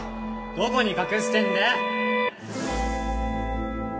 ・どこに隠してんだよ！